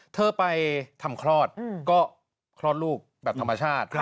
เธอไปทำคลอดก็คลอดลูกแบบธรรมชาติ